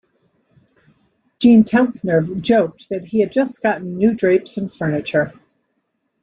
Gene Telpner joked that he had just gotten new drapes and furniture.